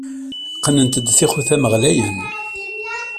Qqnent-d tixutam ɣlayen.